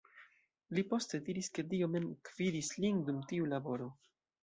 Li poste diris, ke Dio mem gvidis lin dum tiu laboro.